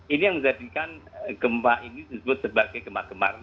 ini yang menjadikan gempa ini disebut sebagai gempa kemarau